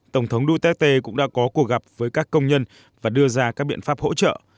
tổng thống duterte cũng đã có cuộc gặp với các công nhân và đưa ra các biện pháp hỗ trợ